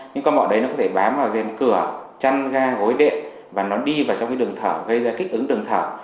những con mọ đấy nó có thể bám vào dèm cửa chăn ga gối đệm và nó đi vào trong cái đường thở gây ra kích ứng đường thở